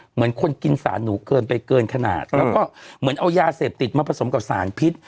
เหมือนคนกินสารหนูเกินไปเกินขนาดแล้วก็เหมือนเอายาเสพติดมาผสมกับสารพิษ